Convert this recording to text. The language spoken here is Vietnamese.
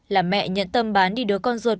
là mẹ nhận tâm bán đi đứa con ruột